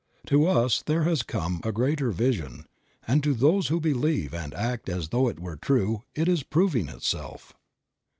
To us there has come a greater vision, and to those who believe and act as though it were true it is proving itself.